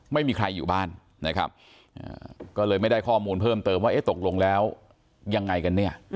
ไม่มีใครอยู่บ้านนะครับก็เลยไม่ได้ข้อมูลเพิ่มเติมว่าเอ๊ะตกลงแล้วยังไงกันเนี่ย